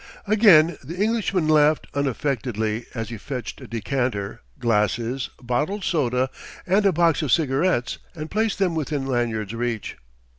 Again the Englishman laughed unaffectedly as he fetched a decanter, glasses, bottled soda, and a box of cigarettes, and placed them within Lanyard's reach.